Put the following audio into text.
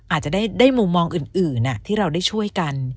อาจจะได้มุมมองอื่นที่เราได้ช่วยกัน